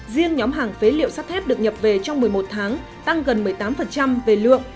riêng nhóm hàng phế liệu sắt thép được nhập về trong một mươi một tháng tăng gần một mươi tám về lượng